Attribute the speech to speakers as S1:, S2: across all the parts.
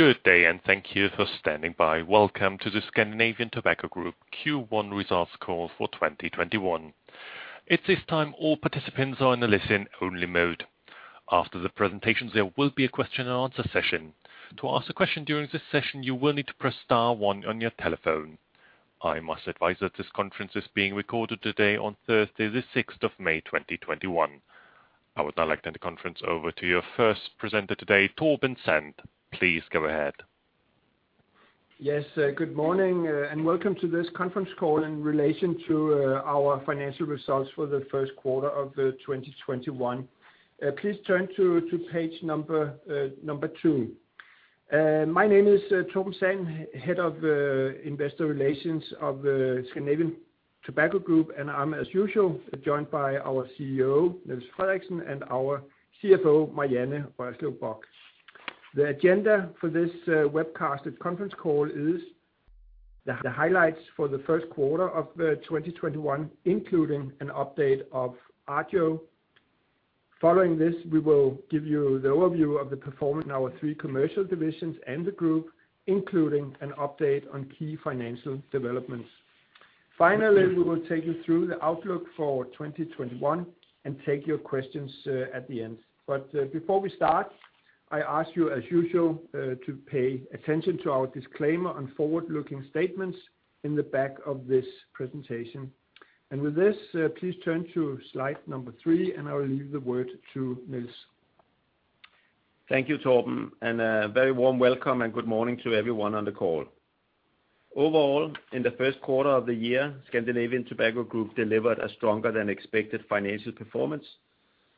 S1: Good day. Thank you for standing by. Welcome to the Scandinavian Tobacco Group Q1 results call for 2021. At this time, all participants are in a listen only mode. After the presentations, there will be a question and answer session. To ask a question during this session, you will need to press star one on your telephone. I must advise that this conference is being recorded today on Thursday, the 6th of May 2021. I would now like to hand the conference over to your first presenter today, Torben Sand. Please go ahead.
S2: Yes. Good morning. Welcome to this conference call in relation to our financial results for the first quarter of 2021. Please turn to page number two. My name is Torben Sand, Head of Investor Relations of the Scandinavian Tobacco Group, and I am, as usual, joined by our CEO, Niels Frederiksen, and our CFO, Marianne Rørslev Bock. The agenda for this webcasted conference call is the highlights for the first quarter of 2021, including an update of Agio. Following this, we will give you the overview of the performance in our three commercial divisions and the group, including an update on key financial developments. Finally, we will take you through the outlook for 2021 and take your questions at the end. Before we start, I ask you, as usual, to pay attention to our disclaimer on forward-looking statements in the back of this presentation. With this, please turn to slide number three, and I will leave the word to Niels.
S3: Thank you, Torben, and a very warm welcome and good morning to everyone on the call. Overall, in the first quarter of the year, Scandinavian Tobacco Group delivered a stronger than expected financial performance,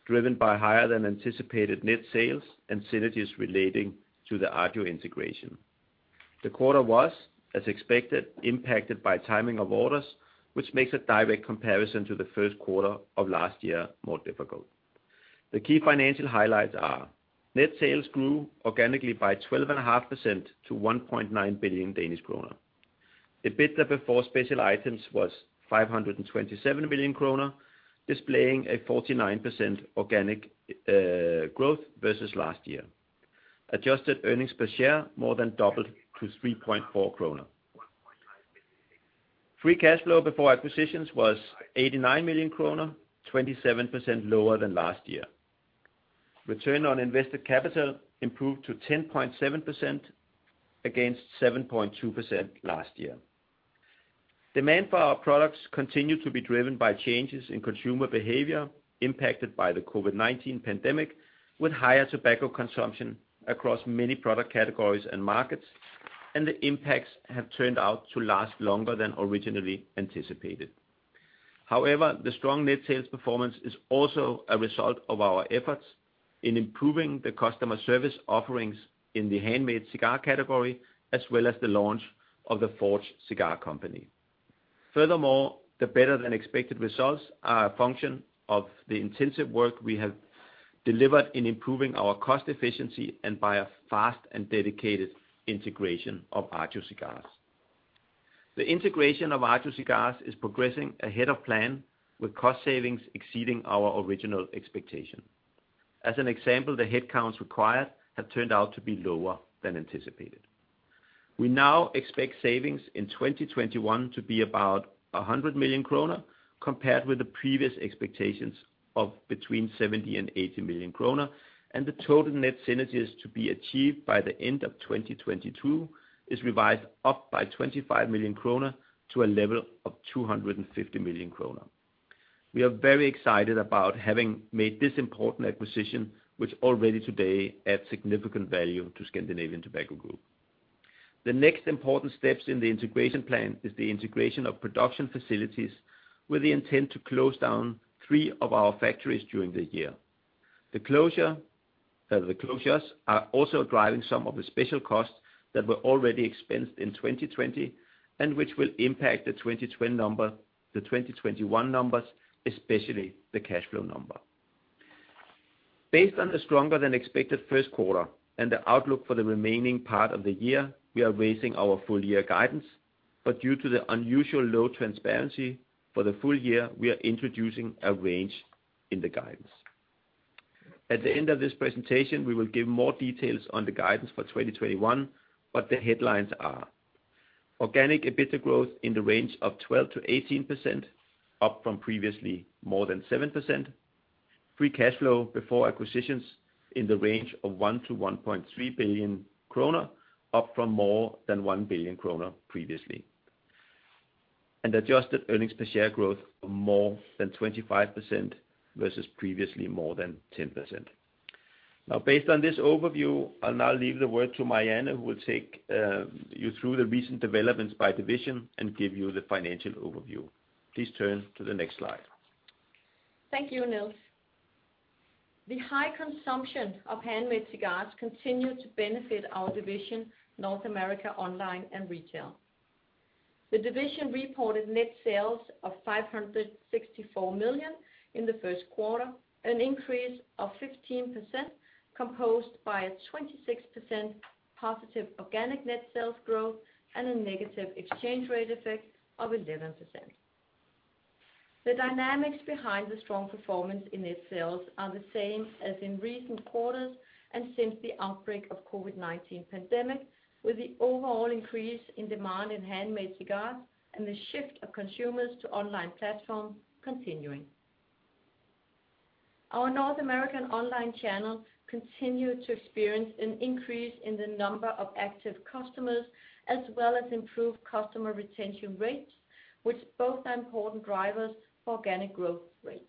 S3: driven by higher than anticipated net sales and synergies relating to the Agio integration. The quarter was, as expected, impacted by timing of orders, which makes a direct comparison to the first quarter of last year more difficult. The key financial highlights are, net sales grew organically by 12.5% to 1.9 billion Danish kroner. EBITDA before special items was 527 million kroner, displaying a 49% organic growth versus last year. Adjusted earnings per share more than doubled to 3.4 kroner. Free cash flow before acquisitions was 89 million kroner, 27% lower than last year. Return on invested capital improved to 10.7% against 7.2% last year. Demand for our products continued to be driven by changes in consumer behavior impacted by the COVID-19 pandemic, with higher tobacco consumption across many product categories and markets. The impacts have turned out to last longer than originally anticipated. However, the strong net sales performance is also a result of our efforts in improving the customer service offerings in the handmade cigar category, as well as the launch of the Forged Cigar Company. Furthermore, the better than expected results are a function of the intensive work we have delivered in improving our cost efficiency and by a fast and dedicated integration of Agio Cigars. The integration of Agio Cigars is progressing ahead of plan, with cost savings exceeding our original expectation. As an example, the headcounts required have turned out to be lower than anticipated. We now expect savings in 2021 to be about 100 million kroner, compared with the previous expectations of between 70 million and 80 million kroner. The total net synergies to be achieved by the end of 2022 is revised up by 25 million kroner to a level of 250 million kroner. We are very excited about having made this important acquisition, which already today adds significant value to Scandinavian Tobacco Group. The next important steps in the integration plan is the integration of production facilities with the intent to close down three of our factories during the year. The closures are also driving some of the special costs that were already expensed in 2020 and which will impact the 2021 numbers, especially the cash flow number. Based on the stronger than expected first quarter and the outlook for the remaining part of the year, we are raising our full year guidance. Due to the unusual low transparency for the full year, we are introducing a range in the guidance. At the end of this presentation, we will give more details on the guidance for 2021, but the headlines are, organic EBITDA growth in the range of 12%-18%, up from previously more than 7%. Free cash flow before acquisitions in the range of 1 billion-1.3 billion krone, up from more than 1 billion krone previously. Adjusted earnings per share growth of more than 25% versus previously more than 10%. Based on this overview, I will now leave the word to Marianne, who will take you through the recent developments by division and give you the financial overview. Please turn to the next slide.
S4: Thank you, Niels. The high consumption of handmade cigars continue to benefit our division, North America Online and Retail. The division reported net sales of 564 million in the first quarter, an increase of 15%, composed by a 26% positive organic net sales growth and a negative exchange rate effect of 11%. The dynamics behind the strong performance in net sales are the same as in recent quarters and since the outbreak of COVID-19 pandemic, with the overall increase in demand in handmade cigars and the shift of consumers to online platforms continuing. Our North American online channels continue to experience an increase in the number of active customers, as well as improved customer retention rates, which both are important drivers for organic growth rates.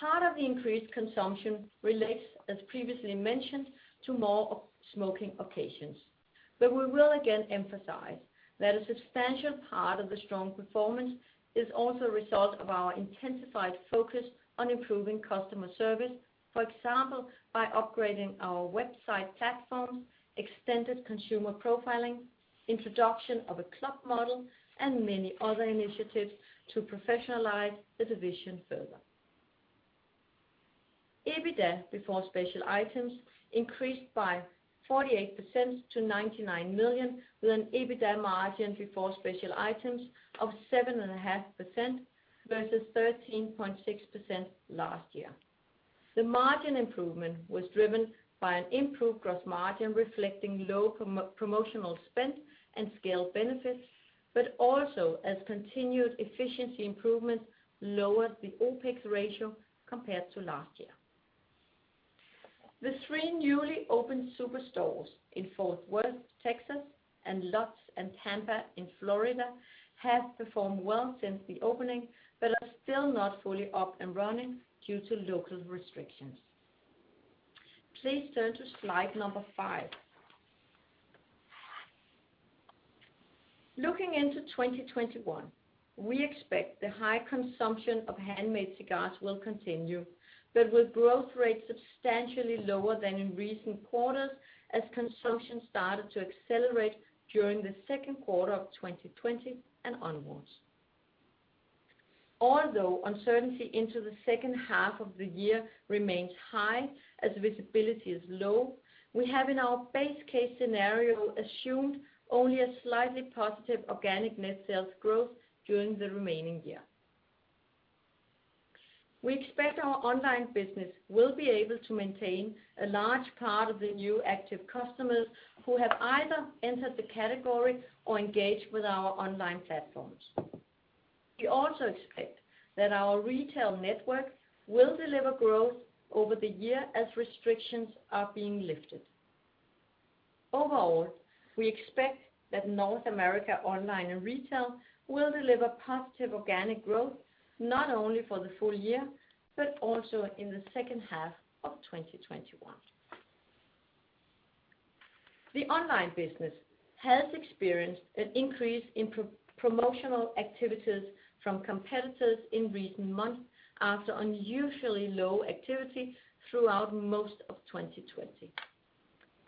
S4: Part of the increased consumption relates, as previously mentioned, to more smoking occasions. We will again emphasize that a substantial part of the strong performance is also a result of our intensified focus on improving customer service. For example, by upgrading our website platforms, extended consumer profiling, introduction of a club model, and many other initiatives to professionalize the division further. EBITDA before special items increased by 48% to 99 million, with an EBITDA margin before special items of 17.5% versus 13.6% last year. The margin improvement was driven by an improved gross margin reflecting low promotional spend and scale benefits, as continued efficiency improvements lowered the OPEX ratio compared to last year. The three newly opened super stores in Fort Worth, Texas, and Lutz and Tampa in Florida have performed well since the opening but are still not fully up and running due to local restrictions. Please turn to slide number five. Looking into 2021, we expect the high consumption of handmade cigars will continue, with growth rates substantially lower than in recent quarters, as consumption started to accelerate during the second quarter of 2020 and onwards. Although uncertainty into the second half of the year remains high as visibility is low, we have, in our base case scenario, assumed only a slightly positive organic net sales growth during the remaining year. We expect our online business will be able to maintain a large part of the new active customers who have either entered the category or engaged with our online platforms. We also expect that our retail network will deliver growth over the year as restrictions are being lifted. Overall, we expect that North America Online and Retail will deliver positive organic growth, not only for the full year, but also in the second half of 2021. The online business has experienced an increase in promotional activities from competitors in recent months after unusually low activity throughout most of 2020.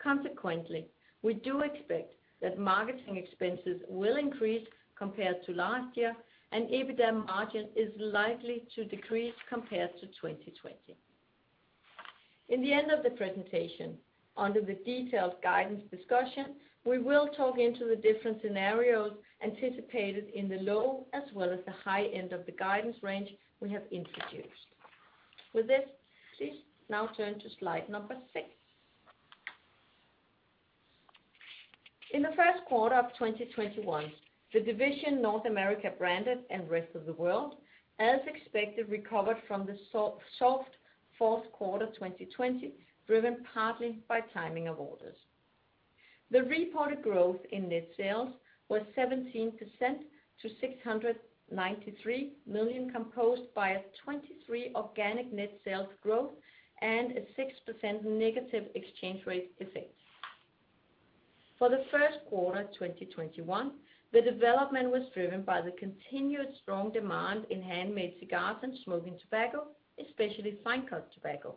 S4: Consequently, we do expect that marketing expenses will increase compared to last year. EBITDA margin is likely to decrease compared to 2020. In the end of the presentation, under the detailed guidance discussion, we will talk through the different scenarios anticipated in the low as well as the high end of the guidance range we have introduced. With this, please now turn to slide number six. In the first quarter of 2021, the division North America Branded and Rest of the World, as expected, recovered from the soft fourth quarter 2020, driven partly by timing of orders. The reported growth in net sales was 17% to 693 million, composed by a 23% organic net sales growth and a 6% negative exchange rate effect. For the first quarter 2021, the development was driven by the continued strong demand in handmade cigars and smoking tobacco, especially fine-cut tobacco.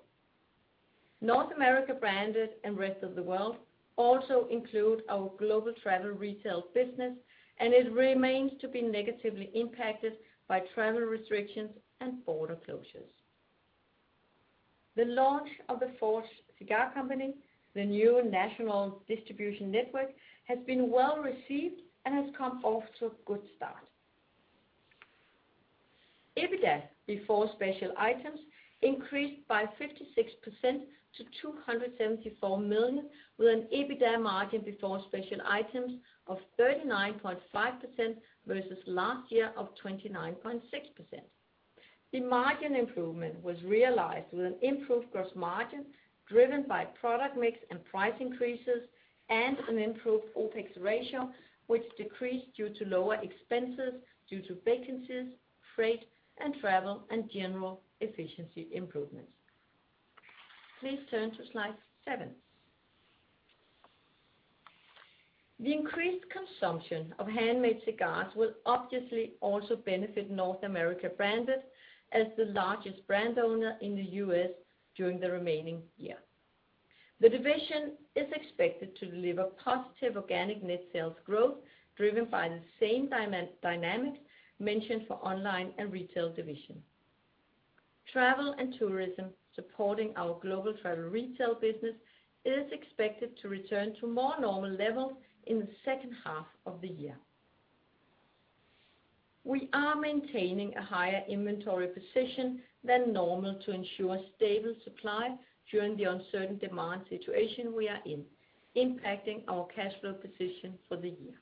S4: North America Branded and Rest of the World also include our global travel retail business. It remains to be negatively impacted by travel restrictions and border closures. The launch of the Forged Cigar Company, the new national distribution network, has been well received and has come off to a good start. EBITDA before special items increased by 56% to 274 million, with an EBITDA margin before special items of 39.5% versus last year of 29.6%. The margin improvement was realized with an improved gross margin driven by product mix and price increases. An improved OPEX ratio, which decreased due to lower expenses due to vacancies, freight and travel, and general efficiency improvements. Please turn to slide seven. The increased consumption of handmade cigars will obviously also benefit North America Branded as the largest brand owner in the U.S. during the remaining year. The division is expected to deliver positive organic net sales growth driven by the same dynamics mentioned for North America Online and Retail. Travel and tourism supporting our global travel retail business is expected to return to more normal levels in the second half of the year. We are maintaining a higher inventory position than normal to ensure stable supply during the uncertain demand situation we are in, impacting our cash flow position for the year.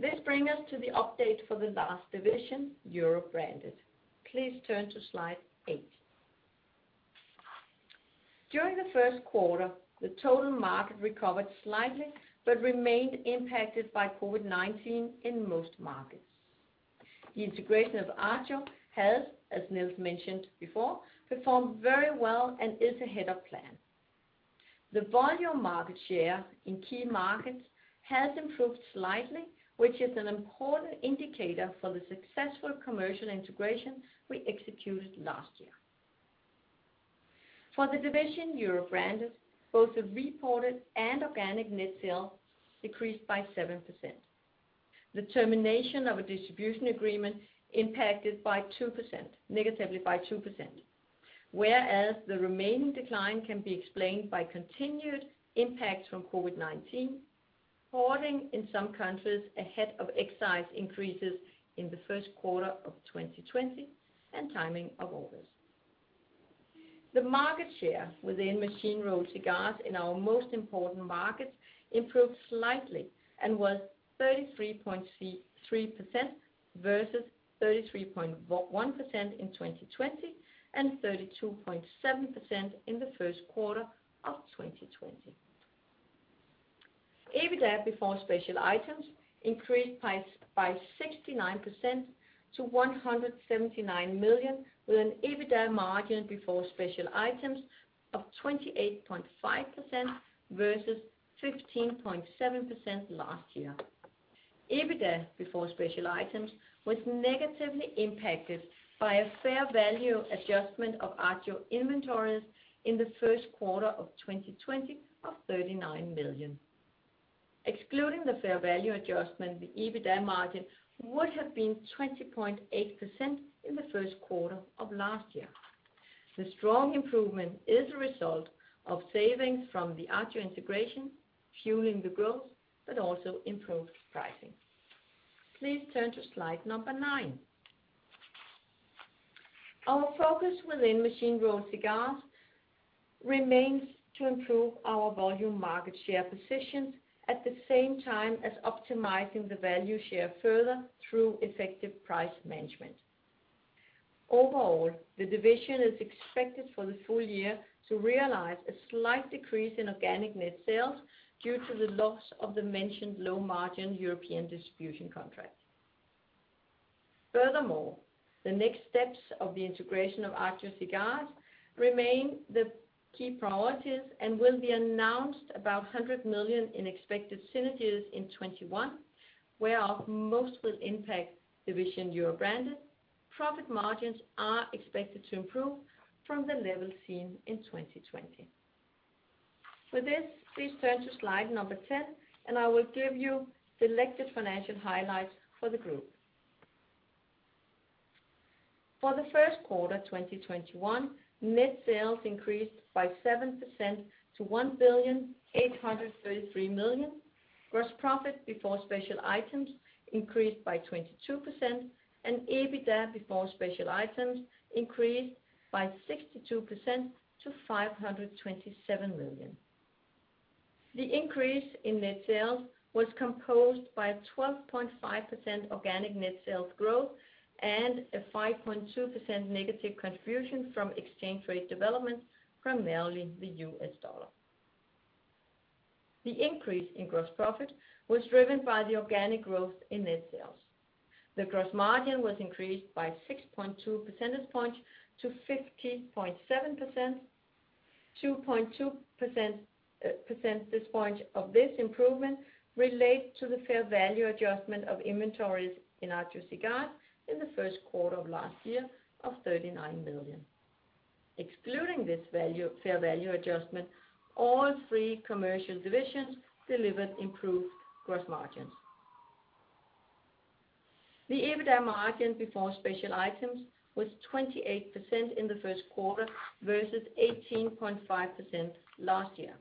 S4: This brings us to the update for the last division, Europe Branded. Please turn to slide eight. During the first quarter, the total market recovered slightly but remained impacted by COVID-19 in most markets. The integration of Agio has, as Niels mentioned before, performed very well and is ahead of plan. The volume market share in key markets has improved slightly, which is an important indicator for the successful commercial integration we executed last year. For the division Europe Branded, both the reported and organic net sales decreased by 7%. The termination of a distribution agreement impacted negatively by 2%, whereas the remaining decline can be explained by continued impacts from COVID-19, hoarding in some countries ahead of excise increases in the first quarter of 2020, and timing of orders. The market share within machine-rolled cigars in our most important markets improved slightly and was 33.3% versus 33.1% in 2020 and 32.7% in the first quarter of 2020. EBITDA before special items increased by 69% to 179 million, with an EBITDA margin before special items of 28.5% versus 15.7% last year. EBITDA before special items was negatively impacted by a fair value adjustment of Agio inventories in the first quarter of 2020 of 39 million. Excluding the fair value adjustment, the EBITDA margin would have been 20.8% in the first quarter of last year. The strong improvement is a result of savings from the Agio integration Fueling the Growth, but also improved pricing. Please turn to slide number 9. Our focus within Machine-rolled cigars remains to improve our volume market share positions at the same time as optimizing the value share further through effective price management. Overall, the division is expected for the full year to realize a slight decrease in organic net sales due to the loss of the mentioned low-margin European distribution contract. Furthermore, the next steps of the integration of Agio Cigars remain the key priorities and will be announced about 100 million in expected synergies in 2021, where most will impact the division Europe Branded. Profit margins are expected to improve from the level seen in 2020. For this, please turn to slide number 10, and I will give you selected financial highlights for the group. For the first quarter 2021, net sales increased by 7% to 1,833,000,000. Gross profit before special items increased by 22%, and EBITDA before special items increased by 62% to 527 million. The increase in net sales was composed by a 12.5% organic net sales growth and a 5.2% negative contribution from exchange rate development, primarily the US dollar. The increase in gross profit was driven by the organic growth in net sales. The gross margin was increased by 6.2 percentage points to 50.7%. 2.2 percentage points of this improvement relate to the fair value adjustment of inventories in Agio Cigars in the first quarter of last year of 39 million. Excluding this fair value adjustment, all three commercial divisions delivered improved gross margins. The EBITDA margin before special items was 28% in the first quarter versus 18.5% last year.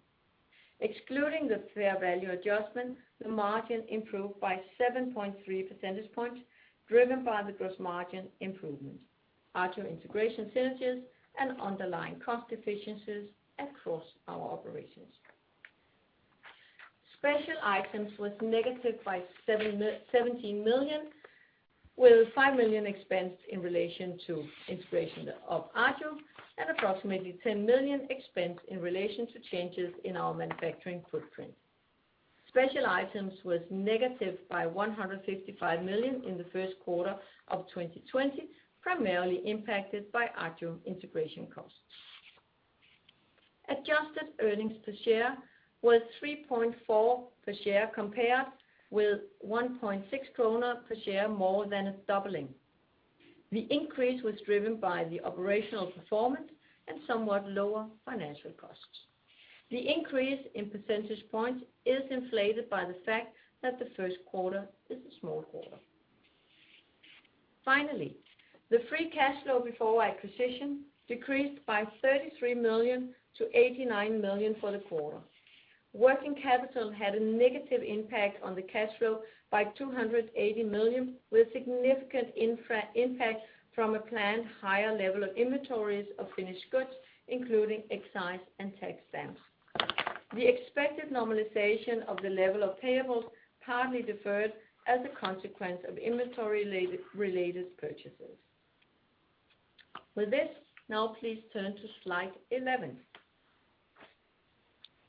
S4: Excluding the fair value adjustment, the margin improved by 7.3 percentage points, driven by the gross margin improvement, Agio integration synergies, and underlying cost efficiencies across our operations. Special items was negative by 17 million, with 5 million expense in relation to integration of Agio and approximately 10 million expense in relation to changes in our manufacturing footprint. Special items was negative by 155 million in the first quarter of 2020, primarily impacted by Agio integration costs. Adjusted earnings per share was 3.4 per share, compared with 1.6 kroner per share, more than a doubling. The increase in percentage points is inflated by the fact that the first quarter is a small quarter. Finally, the free cash flow before acquisition decreased by 33 million to 89 million for the quarter. Working capital had a negative impact on the cash flow by 280 million, with significant impact from a planned higher level of inventories of finished goods, including excise and tax stamps. The expected normalization of the level of payables partly deferred as a consequence of inventory-related purchases. With this, now please turn to slide 11.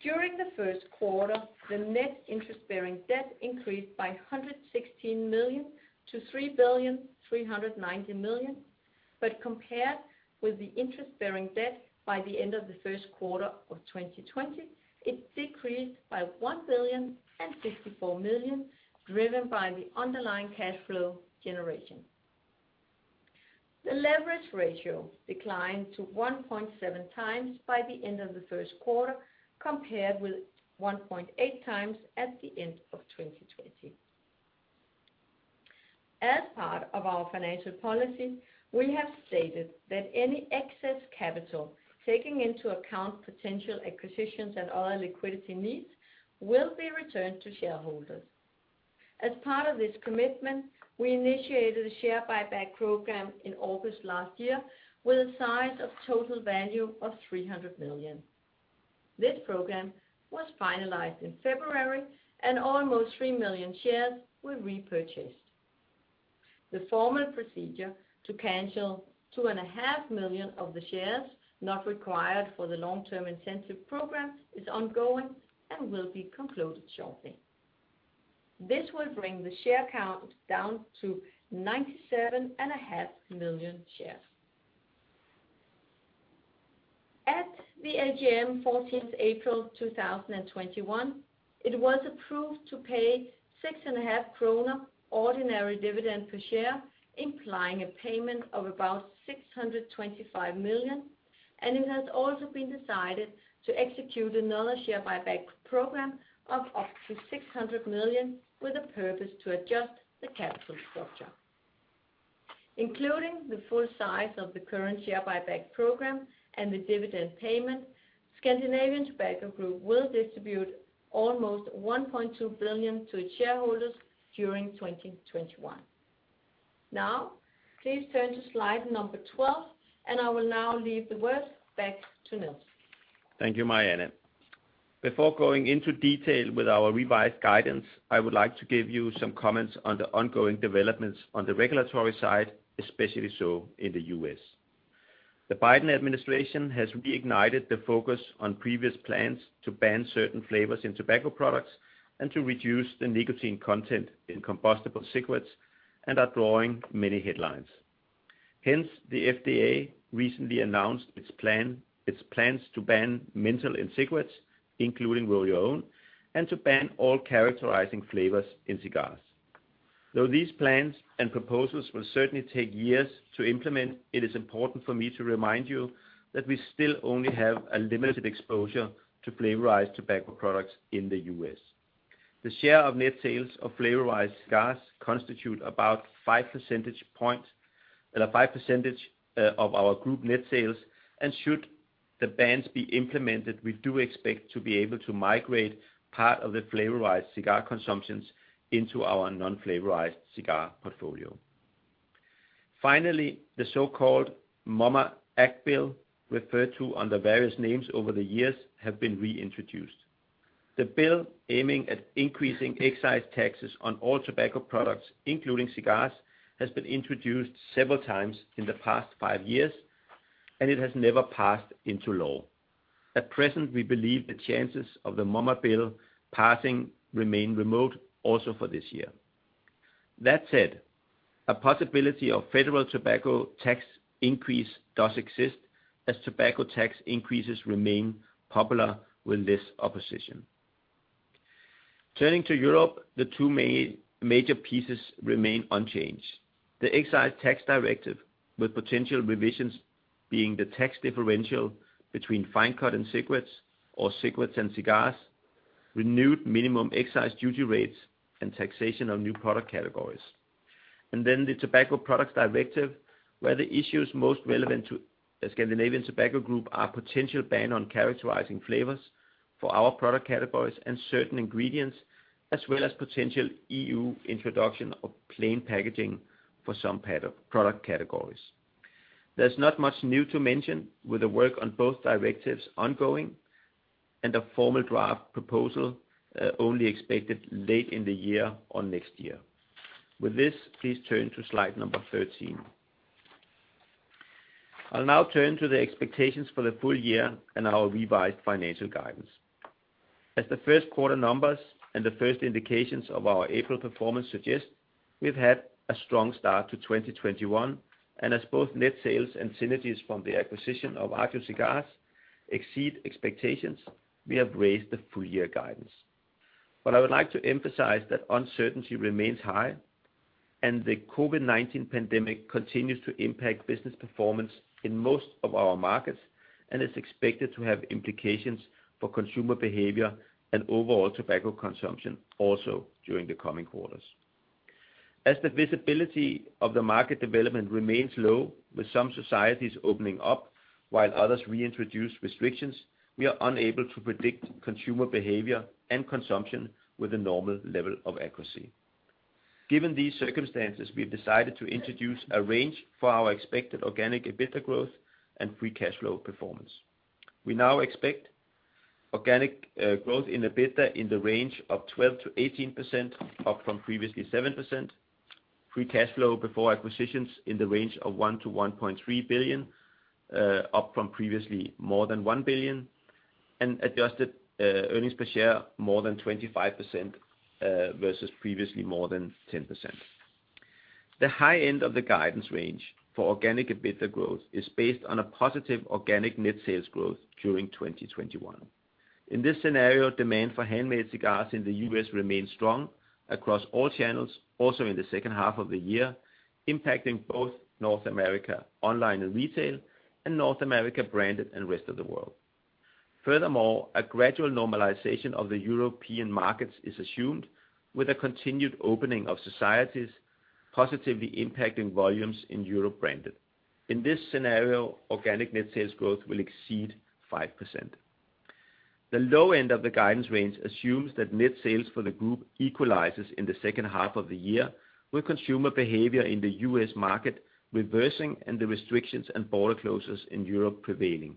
S4: During the first quarter, the net interest-bearing debt increased by 116 million to 3,390 million. Compared with the interest-bearing debt by the end of the first quarter of 2020, it decreased by 1,064 million, driven by the underlying cash flow generation. The leverage ratio declined to 1.7 times by the end of the first quarter, compared with 1.8 times at the end of 2020. As part of our financial policy, we have stated that any excess capital, taking into account potential acquisitions and other liquidity needs, will be returned to shareholders. As part of this commitment, we initiated a share buyback program in August last year with a size of total value of 300 million. This program was finalized in February, and almost three million shares were repurchased. The formal procedure to cancel two and a half million of the shares not required for the long-term incentive program is ongoing and will be concluded shortly. This will bring the share count down to 97 and a half million shares. At the AGM 14th April 2021, it was approved to pay six and a half DKK ordinary dividend per share, implying a payment of about 625 million, and it has also been decided to execute another share buyback program of up to 600 million with a purpose to adjust the capital structure. Including the full size of the current share buyback program and the dividend payment, Scandinavian Tobacco Group will distribute almost 1.2 billion to its shareholders during 2021. Now, please turn to slide number 12, and I will now leave the words back to Niels.
S3: Thank you, Marianne. Before going into detail with our revised guidance, I would like to give you some comments on the ongoing developments on the regulatory side, especially so in the U.S. The Biden administration has reignited the focus on previous plans to ban certain flavors in tobacco products and to reduce the nicotine content in combustible cigarettes and are drawing many headlines. Hence, the FDA recently announced its plans to ban menthol in cigarettes, including roll your own, and to ban all characterizing flavors in cigars. Though these plans and proposals will certainly take years to implement, it is important for me to remind you that we still only have a limited exposure to flavorized tobacco products in the U.S. The share of net sales of flavorized cigars constitute about 5% of our group net sales, and should the bans be implemented, we do expect to be able to migrate part of the flavorized cigar consumptions into our non-flavorized cigar portfolio. Finally, the so-called MOMMA's Act bill, referred to under various names over the years, have been reintroduced. The bill, aiming at increasing excise taxes on all tobacco products, including cigars, has been introduced several times in the past five years, and it has never passed into law. At present, we believe the chances of the MOMMA's Bill passing remain remote also for this year. That said, a possibility of federal tobacco tax increase does exist, as tobacco tax increases remain popular with this opposition. Turning to Europe, the two major pieces remain unchanged. The Tobacco Excise Directive, with potential revisions being the tax differential between fine-cut and cigarettes or cigarettes and cigars, renewed minimum excise duty rates, and taxation of new product categories. The Tobacco Products Directive, where the issues most relevant to the Scandinavian Tobacco Group are potential ban on characterizing flavors for our product categories and certain ingredients, as well as potential EU introduction of plain packaging for some product categories. There's not much new to mention with the work on both directives ongoing and a formal draft proposal only expected late in the year or next year. With this, please turn to slide number 13. I'll now turn to the expectations for the full year and our revised financial guidance. As the first quarter numbers and the first indications of our April performance suggest, we've had a strong start to 2021, as both net sales and synergies from the acquisition of Agio Cigars exceed expectations, we have raised the full year guidance. I would like to emphasize that uncertainty remains high. The COVID-19 pandemic continues to impact business performance in most of our markets, and is expected to have implications for consumer behavior and overall tobacco consumption also during the coming quarters. As the visibility of the market development remains low with some societies opening up while others reintroduce restrictions, we are unable to predict consumer behavior and consumption with a normal level of accuracy. Given these circumstances, we've decided to introduce a range for our expected organic EBITDA growth and free cash flow performance. We now expect organic growth in EBITDA in the range of 12%-18%, up from previously 7%, free cash flow before acquisitions in the range of 1 billion-1.3 billion, up from previously more than 1 billion, and adjusted earnings per share more than 25% versus previously more than 10%. The high end of the guidance range for organic EBITDA growth is based on a positive organic net sales growth during 2021. In this scenario, demand for handmade cigars in the U.S. remains strong across all channels, also in the second half of the year, impacting both North America Online and Retail, and North America Branded and Rest of the World. Furthermore, a gradual normalization of the European markets is assumed with a continued opening of societies positively impacting volumes in Europe Branded. In this scenario, organic net sales growth will exceed 5%. The low end of the guidance range assumes that net sales for the group equalizes in the second half of the year with consumer behavior in the U.S. market reversing and the restrictions and border closures in Europe prevailing.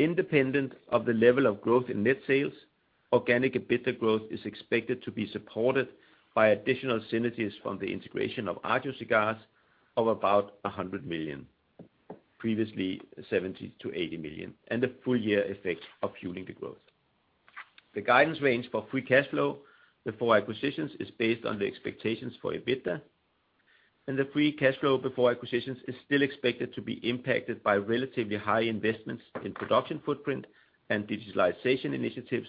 S3: Independent of the level of growth in net sales, organic EBITDA growth is expected to be supported by additional synergies from the integration of Agio Cigars of about 100 million, previously 70 million-80 million, and the full year effect of Fueling the Growth. The guidance range for free cash flow before acquisitions is based on the expectations for EBITDA. The free cash flow before acquisitions is still expected to be impacted by relatively high investments in production footprint and digitalization initiatives,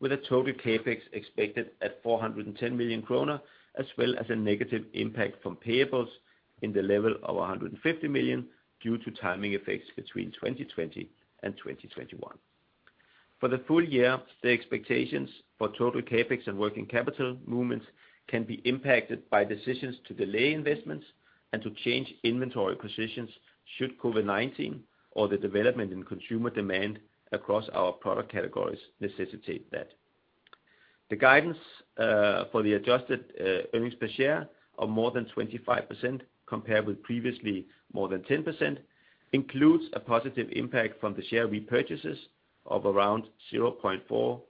S3: with a total CapEx expected at 410 million kroner, as well as a negative impact from payables in the level of 150 million due to timing effects between 2020 and 2021. For the full year, the expectations for total CapEx and working capital movements can be impacted by decisions to delay investments and to change inventory positions should COVID-19 or the development in consumer demand across our product categories necessitate that. The guidance for the adjusted earnings per share of more than 25% compared with previously more than 10%, includes a positive impact from the share repurchases of around 0.4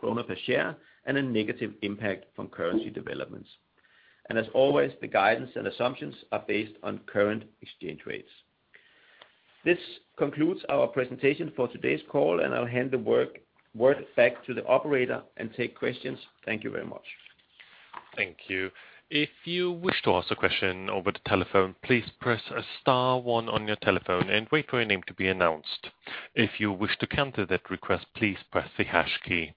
S3: krone per share, and a negative impact from currency developments. As always, the guidance and assumptions are based on current exchange rates. This concludes our presentation for today's call. I'll hand the word back to the operator and take questions. Thank you very much.
S1: Thank you. If you wish to ask a question over the telephone, please press *1 on your telephone and wait for your name to be announced. If you wish to counter that request, please press the # key.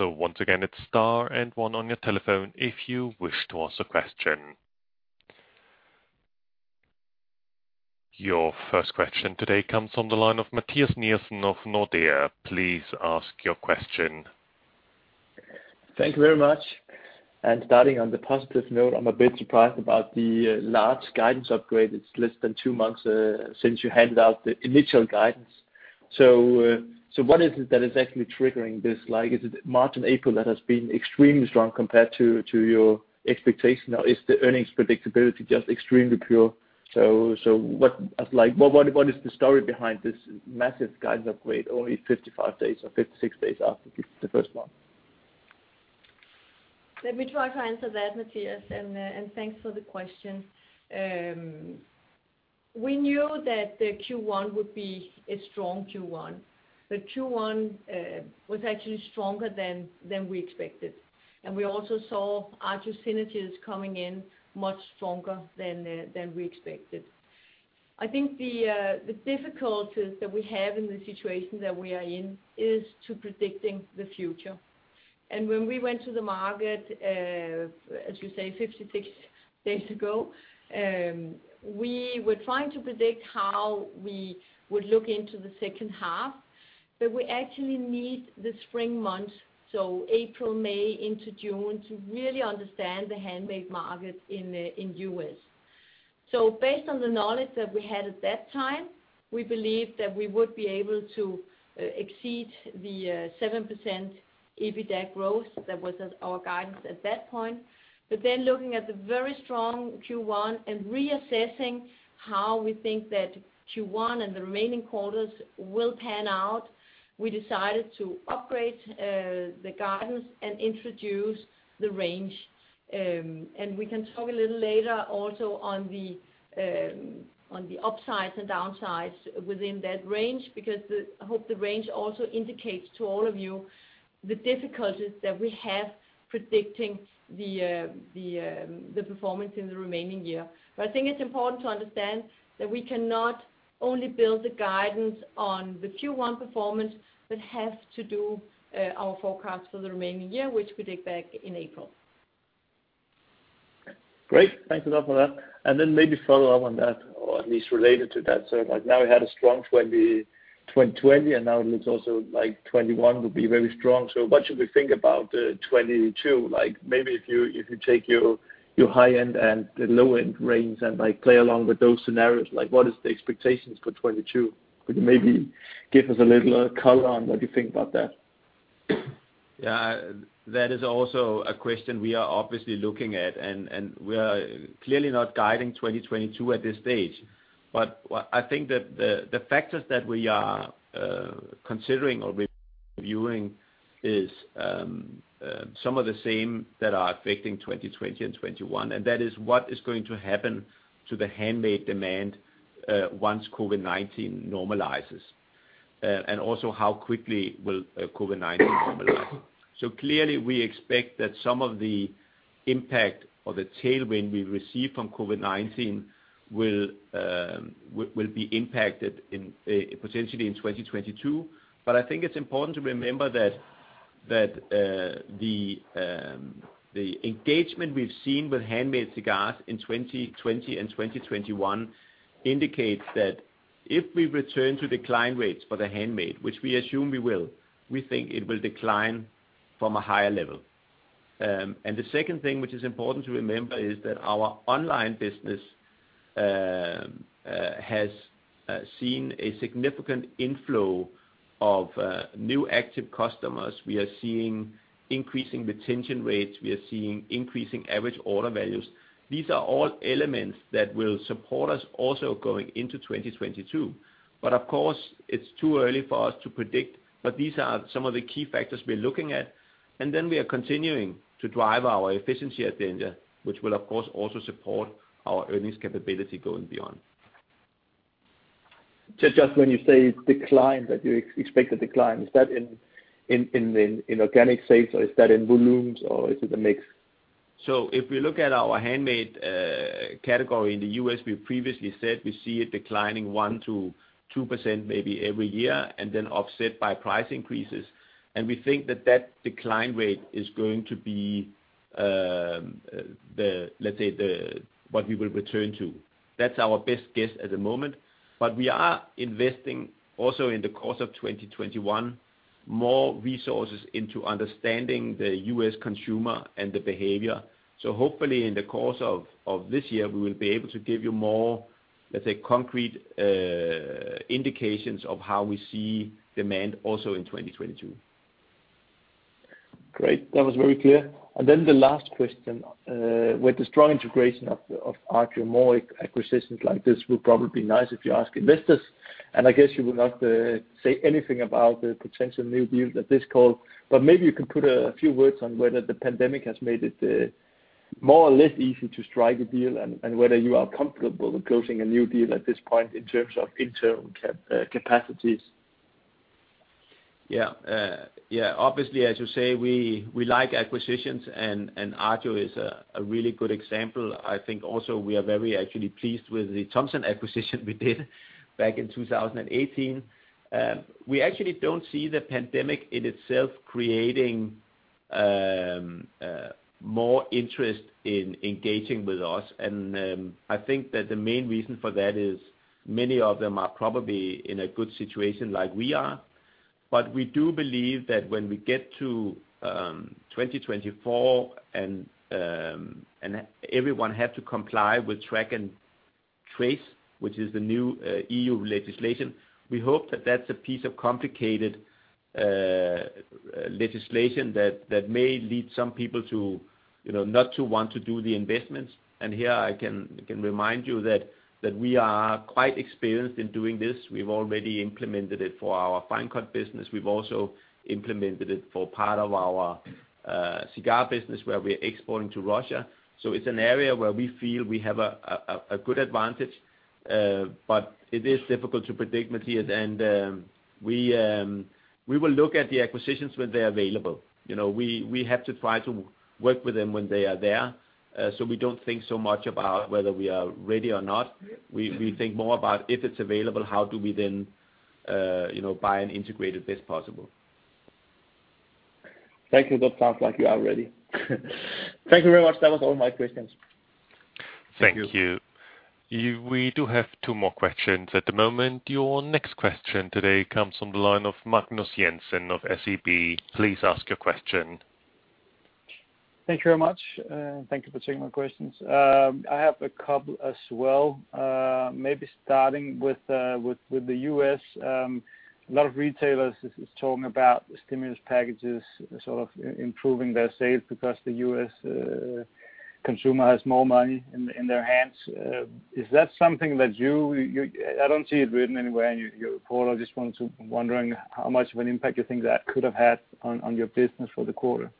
S1: Once again, it's * and 1 on your telephone if you wish to ask a question. Your first question today comes on the line of Mathias Nielsen of Nordea. Please ask your question.
S5: Thank you very much. Starting on the positive note, I'm a bit surprised about the large guidance upgrade. It's less than two months since you handed out the initial guidance. What is it that is actually triggering this? Is it March and April that has been extremely strong compared to your expectation, or is the earnings predictability just extremely pure? What is the story behind this massive guidance upgrade only 55 days or 56 days after the first one?
S4: Let me try to answer that, Mathias, and thanks for the question. We knew that the Q1 would be a strong Q1, but Q1 was actually stronger than we expected. We also saw Agio synergies coming in much stronger than we expected. I think the difficulties that we have in the situation that we are in is to predicting the future. When we went to the market, as you say, 56 days ago, we were trying to predict how we would look into the second half, but we actually need the spring months, so April, May into June, to really understand the handmade market in the U.S. Based on the knowledge that we had at that time, we believed that we would be able to exceed the 7% EBITDA growth. That was our guidance at that point. Looking at the very strong Q1 and reassessing how we think that Q1 and the remaining quarters will pan out, we decided to upgrade the guidance and introduce the range. We can talk a little later also on the upsides and downsides within that range, because I hope the range also indicates to all of you the difficulties that we have predicting the performance in the remaining year. I think it is important to understand that we cannot
S3: Only build the guidance on the Q1 performance that has to do our forecast for the remaining year, which we take back in April.
S5: Great. Thanks a lot for that. Maybe follow up on that, or at least related to that. Now we had a strong 2020, and now it looks also like 2021 will be very strong. What should we think about 2022? Maybe if you take your high end and the low end range and play along with those scenarios, what is the expectations for 2022? Could you maybe give us a little color on what you think about that?
S3: That is also a question we are obviously looking at. We are clearly not guiding 2022 at this stage. I think that the factors that we are considering or reviewing is some of the same that are affecting 2020 and 2021, and that is what is going to happen to the handmade demand once COVID-19 normalizes. Also, how quickly will COVID-19 normalize? Clearly, we expect that some of the impact of the tailwind we've received from COVID-19 will be impacted potentially in 2022. I think it's important to remember that the engagement we've seen with handmade cigars in 2020 and 2021 indicates that if we return to decline rates for the handmade, which we assume we will, we think it will decline from a higher level. The second thing which is important to remember is that our online business has seen a significant inflow of new active customers. We are seeing increasing retention rates. We are seeing increasing average order values. These are all elements that will support us also going into 2022. Of course, it's too early for us to predict, but these are some of the key factors we're looking at. Then we are continuing to drive our efficiency agenda, which will of course also support our earnings capability going beyond.
S5: Just when you say decline, that you expect a decline, is that in organic sales, or is that in volumes, or is it a mix?
S3: If we look at our handmade category in the U.S., we previously said we see it declining 1% to 2% maybe every year, then offset by price increases. We think that that decline rate is going to be, let's say, what we will return to. That's our best guess at the moment. We are investing also in the course of 2021, more resources into understanding the U.S. consumer and the behavior. Hopefully in the course of this year, we will be able to give you more, let's say, concrete indications of how we see demand also in 2022.
S5: Great. That was very clear. The last question. With the strong integration of Agio, more acquisitions like this would probably be nice if you ask investors. I guess you would not say anything about the potential new deal at this call. Maybe you can put a few words on whether the pandemic has made it more or less easy to strike a deal, and whether you are comfortable with closing a new deal at this point in terms of internal capacities.
S3: Obviously, as you say, we like acquisitions, and Agio is a really good example. I think also we are actually very pleased with the Thompson acquisition we did back in 2018. We actually don't see the pandemic in itself creating more interest in engaging with us. I think that the main reason for that is many of them are probably in a good situation like we are. We do believe that when we get to 2024 and everyone have to comply with Track and Trace, which is the new EU legislation, we hope that that's a piece of complicated legislation that may lead some people not to want to do the investments. Here I can remind you that we are quite experienced in doing this. We've already implemented it for our fine-cut business. We've also implemented it for part of our cigar business where we're exporting to Russia. It's an area where we feel we have a good advantage. It is difficult to predict, Mathias, we will look at the acquisitions when they're available. We have to try to work with them when they are there. We don't think so much about whether we are ready or not. We think more about if it's available, how do we then buy and integrate it best possible.
S5: Thank you. That sounds like you are ready. Thank you very much. That was all my questions.
S3: Thank you.
S1: Thank you. We do have two more questions at the moment. Your next question today comes on the line of Magnus Rasmussen of SEB. Please ask your question.
S6: Thank you very much. Thank you for taking my questions. I have a couple as well. Maybe starting with the U.S. A lot of retailers is talking about stimulus packages sort of improving their sales because the U.S. consumer has more money in their hands. Is that something that I don't see it written anywhere in your report. I'm just wondering how much of an impact you think that could have had on your business for the quarter?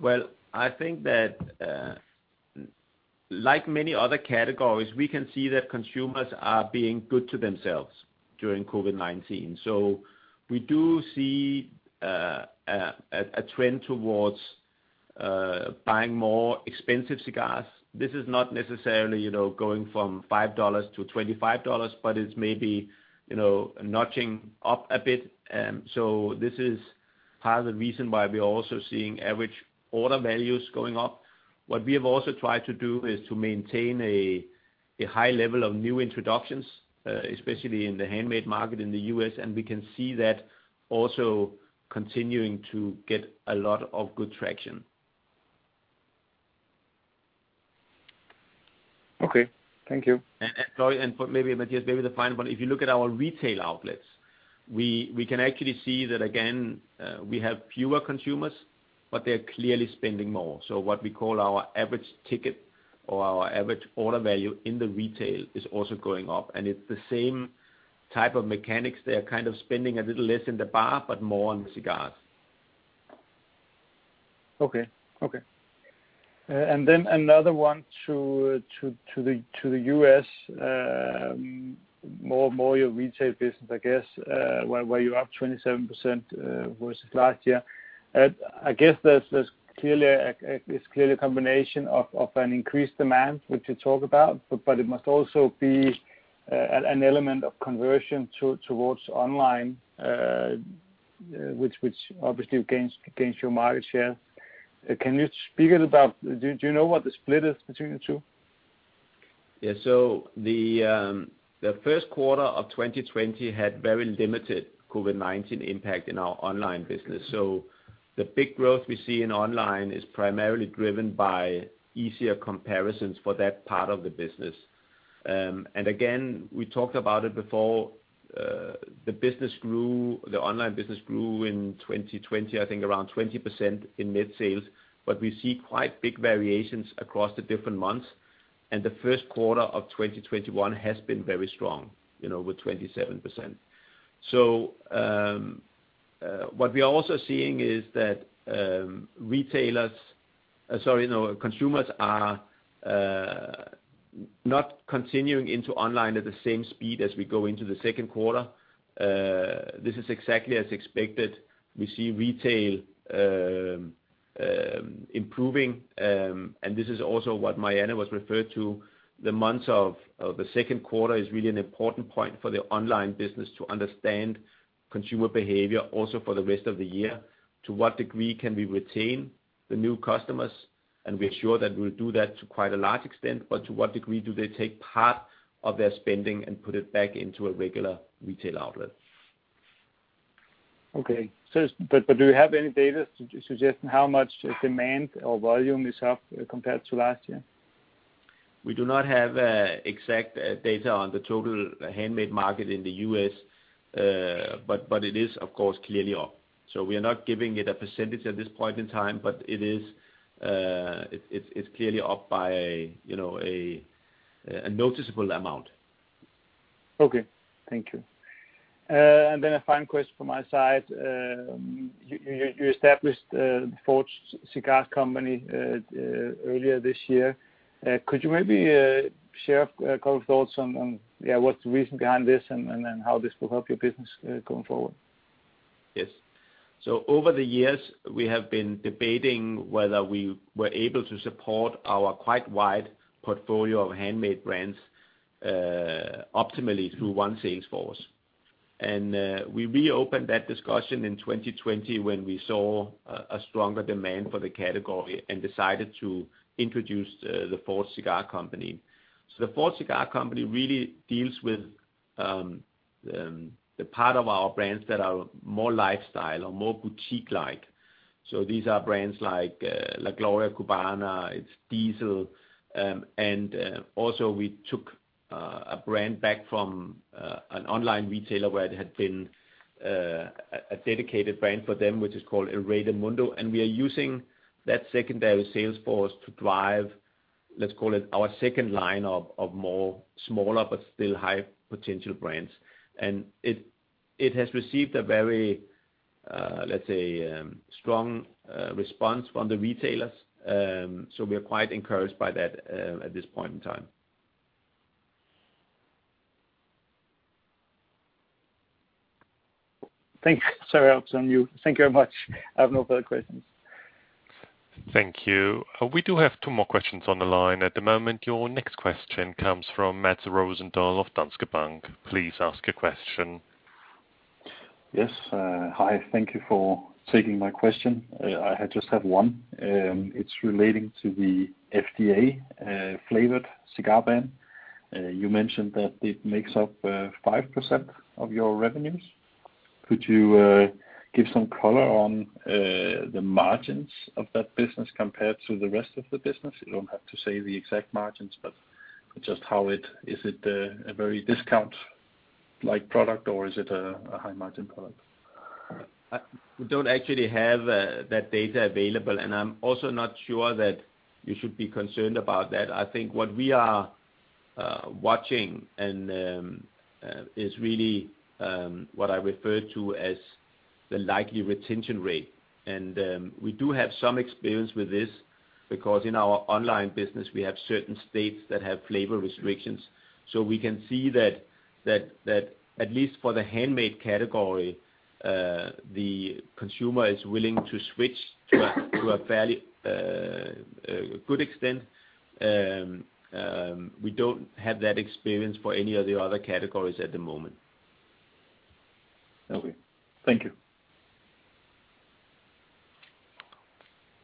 S3: Well, I think that like many other categories, we can see that consumers are being good to themselves during COVID-19. We do see a trend towards buying more expensive cigars. This is not necessarily going from DKK 5 to DKK 25, but it's maybe notching up a bit. This is part of the reason why we are also seeing average order values going up. What we have also tried to do is to maintain a high level of new introductions, especially in the handmade market in the U.S., and we can see that also continuing to get a lot of good traction.
S6: Okay. Thank you.
S3: Mathias Nielsen, maybe the final one, if you look at our retail outlets, we can actually see that again, we have fewer consumers, but they are clearly spending more. What we call our average ticket or our average order value in the retail is also going up. It is the same type of mechanics. They are kind of spending a little less in the bar, but more on cigars.
S6: Okay. Another one to the U.S., more your retail business, I guess, where you are up 27% versus last year. It is clearly a combination of an increased demand, which you talk about, but it must also be an element of conversion towards online, which obviously gains you market share. Can you speak about, do you know what the split is between the two?
S3: The first quarter of 2020 had very limited COVID-19 impact in our online business. The big growth we see in online is primarily driven by easier comparisons for that part of the business. Again, we talked about it before, the online business grew in 2020, I think around 20% in net sales, but we see quite big variations across the different months, and the first quarter of 2021 has been very strong, with 27%. What we are also seeing is that consumers are not continuing into online at the same speed as we go into the second quarter. This is exactly as expected. We see retail improving, and this is also what Marianne Rørslev Bock was referred to. The months of the second quarter is really an important point for the online business to understand consumer behavior also for the rest of the year. To what degree can we retain the new customers? We are sure that we'll do that to quite a large extent, to what degree do they take part of their spending and put it back into a regular retail outlet?
S6: Okay. Do you have any data suggesting how much demand or volume is up compared to last year?
S3: We do not have exact data on the total handmade market in the U.S., it is of course clearly up. We are not giving it a percentage at this point in time, it's clearly up by a noticeable amount.
S6: Okay. Thank you. A final question from my side. You established the Forged Cigar Company earlier this year. Could you maybe share a couple of thoughts on what's the reason behind this and how this will help your business going forward?
S3: Yes. Over the years, we have been debating whether we were able to support our quite wide portfolio of handmade brands optimally through one sales force. We reopened that discussion in 2020 when we saw a stronger demand for the category and decided to introduce the Forged Cigar Company. The Forged Cigar Company really deals with the part of our brands that are more lifestyle or more boutique-like. These are brands like La Gloria Cubana, it's Diesel, and also we took a brand back from an online retailer where it had been a dedicated brand for them, which is called El Rey del Mundo. We are using that secondary sales force to drive, let's call it our second line of more smaller but still high potential brands. It has received a very, let's say, strong response from the retailers. We are quite encouraged by that at this point in time.
S6: Thanks. Sorry, I was on mute. Thank you very much. I have no further questions.
S1: Thank you. We do have two more questions on the line at the moment. Your next question comes from Mads Rosendahl of Danske Bank. Please ask a question.
S7: Yes. Hi, thank you for taking my question. I just have one. It is relating to the FDA flavored cigar ban. You mentioned that it makes up 5% of your revenues. Could you give some color on the margins of that business compared to the rest of the business? You don't have to say the exact margins, but just Is it a very discount-like product or is it a high margin product?
S3: We don't actually have that data available, and I'm also not sure that you should be concerned about that. I think what we are watching is really what I refer to as the likely retention rate. We do have some experience with this because in our online business, we have certain states that have flavor restrictions. We can see that at least for the handmade category, the consumer is willing to switch to a fairly good extent. We don't have that experience for any of the other categories at the moment.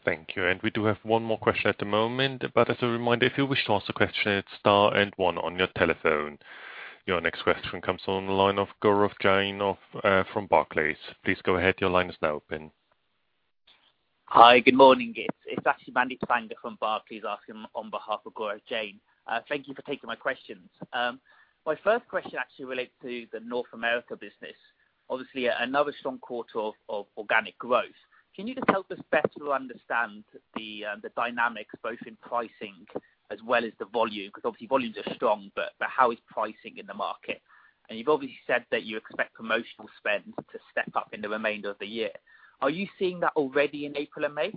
S7: Okay. Thank you.
S1: Thank you. We do have one more question at the moment, but as a reminder, if you wish to ask a question, it's star and one on your telephone. Your next question comes on the line of Gaurav Jain from Barclays. Please go ahead. Your line is now open.
S8: Hi, good morning. It's actually Pallav Mittal from Barclays asking on behalf of Gaurav Jain. Thank you for taking my questions. My first question actually relates to the North America business. Obviously, another strong quarter of organic growth. Can you just help us better understand the dynamics, both in pricing as well as the volume? Because obviously volumes are strong, but how is pricing in the market? You've obviously said that you expect promotional spend to step up in the remainder of the year. Are you seeing that already in April and May?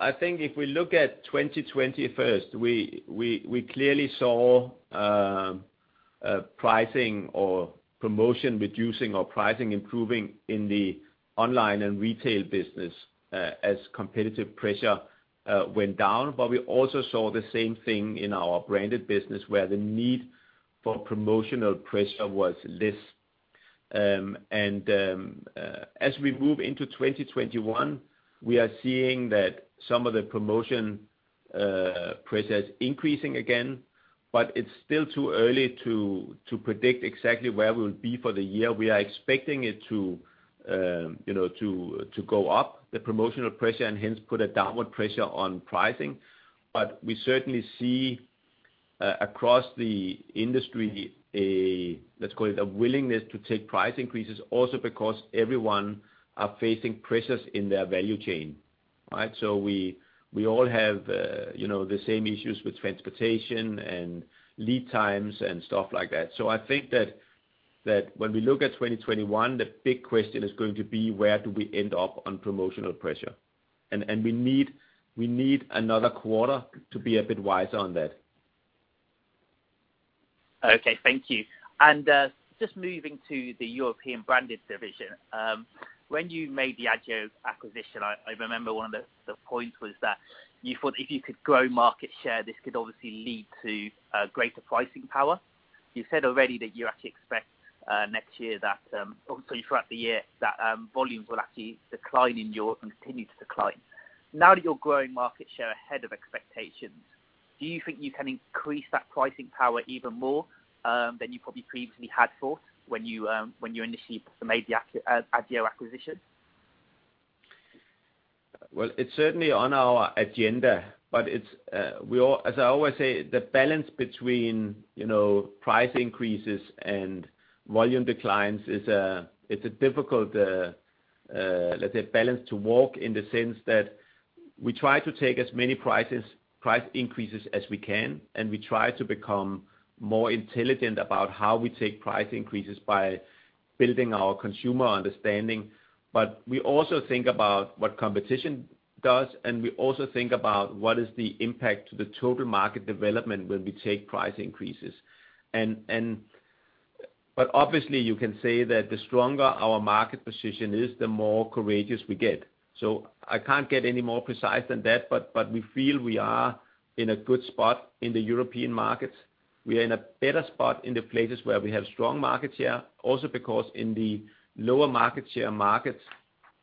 S3: I think if we look at 2020 first, we clearly saw pricing or promotion reducing or pricing improving in the online and retail business as competitive pressure went down. We also saw the same thing in our branded business where the need for promotional pressure was less. As we move into 2021, we are seeing that some of the promotion pressure is increasing again, it's still too early to predict exactly where we'll be for the year. We are expecting it to go up, the promotional pressure, and hence put a downward pressure on pricing. We certainly see, across the industry, let's call it a willingness to take price increases, also because everyone are facing pressures in their value chain, right? We all have the same issues with transportation and lead times and stuff like that. I think that when we look at 2021, the big question is going to be where do we end up on promotional pressure? We need another quarter to be a bit wiser on that.
S8: Okay. Thank you. Just moving to the European Branded Division. When you made the Agio acquisition, I remember one of the points was that you thought if you could grow market share, this could obviously lead to greater pricing power. You said already that you actually expect next year that, obviously throughout the year, that volumes will actually decline in Europe and continue to decline. Now that you're growing market share ahead of expectations, do you think you can increase that pricing power even more than you probably previously had thought when you initially made the Agio acquisition?
S3: It's certainly on our agenda, but as I always say, the balance between price increases and volume declines, it's a difficult balance to walk in the sense that we try to take as many price increases as we can, and we try to become more intelligent about how we take price increases by building our consumer understanding. We also think about what competition does, and we also think about what is the impact to the total market development when we take price increases. Obviously you can say that the stronger our market position is, the more courageous we get. I can't get any more precise than that, but we feel we are in a good spot in the European markets. We are in a better spot in the places where we have strong market share. Also because in the lower market share markets,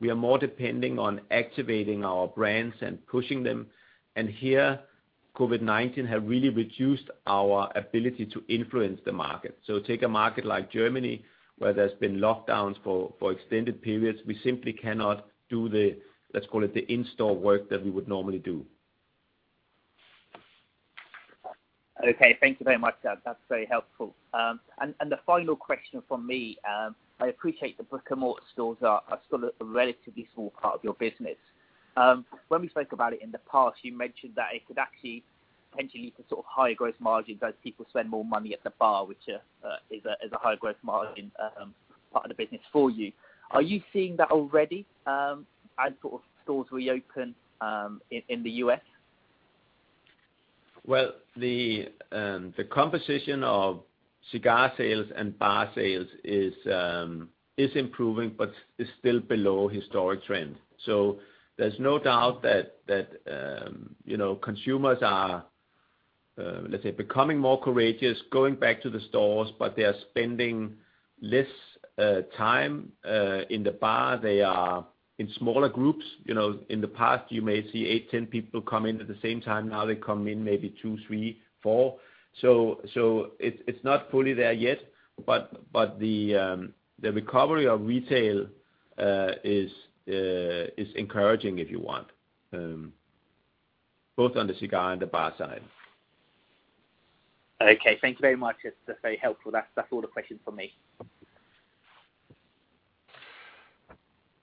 S3: we are more depending on activating our brands and pushing them. Here, COVID-19 have really reduced our ability to influence the market. Take a market like Germany, where there's been lockdowns for extended periods. We simply cannot do the, let's call it the in-store work that we would normally do.
S8: Thank you very much. That's very helpful. The final question from me, I appreciate the brick-and-mortar stores are still a relatively small part of your business. When we spoke about it in the past, you mentioned that it could actually potentially lead to higher gross margins as people spend more money at the bar, which is a higher gross margin part of the business for you. Are you seeing that already as stores reopen in the U.S.?
S3: The composition of cigar sales and bar sales is improving, but is still below historic trend. There's no doubt that consumers are, let's say, becoming more courageous, going back to the stores, but they are spending less time in the bar. They are in smaller groups. In the past, you may see eight, 10 people come in at the same time. Now they come in maybe two, three, four. It's not fully there yet, but the recovery of retail is encouraging, if you want, both on the cigar and the bar side.
S8: Okay. Thank you very much. That's very helpful. That's all the questions from me.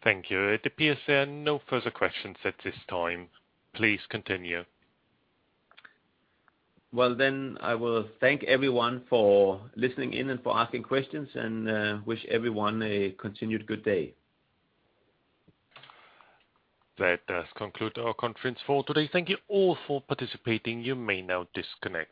S1: Thank you. It appears there are no further questions at this time. Please continue.
S3: Well, then I will thank everyone for listening in and for asking questions, and wish everyone a continued good day.
S1: That does conclude our conference for today. Thank you all for participating. You may now disconnect.